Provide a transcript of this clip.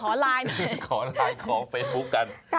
ขอไลน์หน่อยขอไลน์ขอเฟซบุ๊คกัน